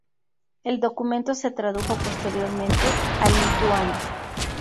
El documento se tradujo posteriormente al lituano.